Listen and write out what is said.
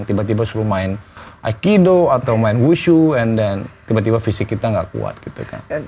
tiba tiba suruh main aikido atau main wushu and then tiba tiba fisik kita gak kuat gitu kan